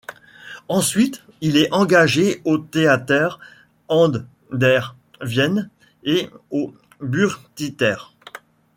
Ensuite, il est engagé au Theater an der Wien et au Burgtheater.